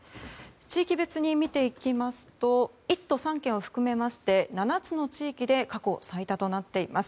地域別に見ていきますと１都３県を含めまして７つの地域で過去最多となっています。